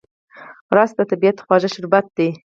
رس د طبیعت خواږه شربت دی